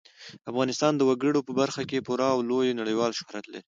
افغانستان د وګړي په برخه کې پوره او لوی نړیوال شهرت لري.